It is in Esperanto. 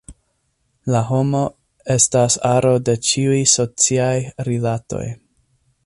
La homo estas aro de ĉiuj sociaj rilatoj.